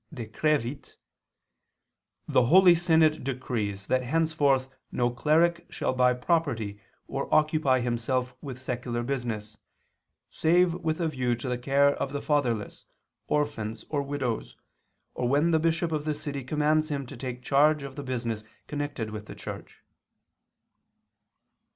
Decrevit): "The holy synod decrees that henceforth no cleric shall buy property or occupy himself with secular business, save with a view to the care of the fatherless, orphans, or widows, or when the bishop of the city commands him to take charge of the business connected with the Church."